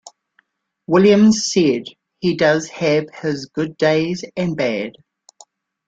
Williams said, He does have his good days and bad.